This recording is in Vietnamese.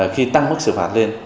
khi tăng mức xử phạt lên